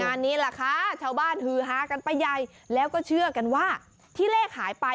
นี้ล่ะค่ะชาวบ้านฮือฮากันไปใหญ่แล้วก็เชื่อกันว่าที่เลขหายไป